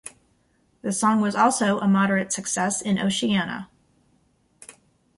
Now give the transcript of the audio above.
The song was also a moderate success in Oceania.